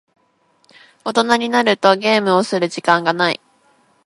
大人になるとゲームをする時間がない。